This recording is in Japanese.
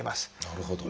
なるほど。